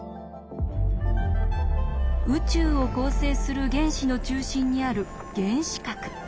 宇宙を構成する原子の中心にある原子核。